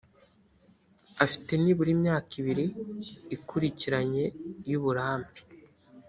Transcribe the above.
afite nibura imyaka ibiri ikurikiranye y’uburambe